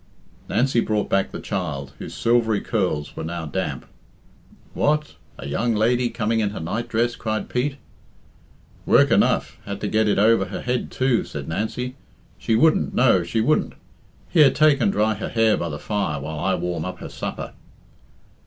Nancy brought back the child, whose silvery curls were now damp. "What! a young lady coming in her night dress!" cried Pete. "Work enough! had to get it over her head, too," said Nancy. "She wouldn't, no, she wouldn't. Here, take and dry her hair by the fire while I warm up her supper."